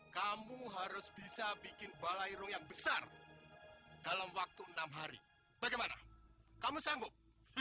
kamu harus bisa bikin balairung yang besar dalam waktu enam hari bagaimana kamu sanggup